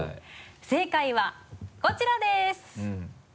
正解はこちらです。